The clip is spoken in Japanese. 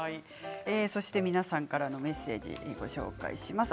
皆さんからのメッセージをご紹介します。